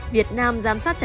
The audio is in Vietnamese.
việt nam giám sát chặt chẽ